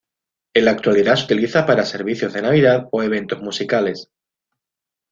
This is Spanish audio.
En la actualidad se utiliza para servicios de Navidad ó eventos musicales.